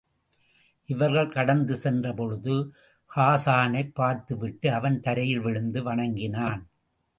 இவர்கள் கடந்து சென்ற பொழுது, ஹாஸானைப் பார்த்துவிட்டு அவன் தரையில் விழுந்து வணங்கினான்.